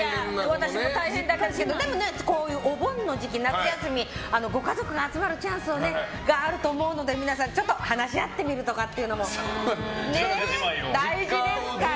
私も大変だったんですけどでも、こういうお盆の時期夏休み、ご家族が集まるチャンスがあると思うので皆さんちょっと話し合ってみるとか大事ですから。